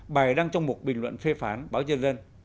bài đang trong một bình luận phê phán báo dân dân